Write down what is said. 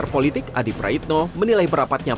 politik adi praitno menilai berapatnya